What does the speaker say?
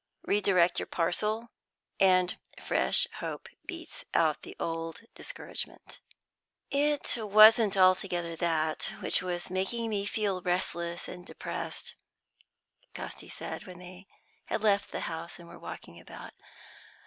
Re direct your parcel, and fresh hope beats out the old discouragement." "It wasn't altogether that which was making me feel restless and depressed," Casti said, when they had left the house and were walking along.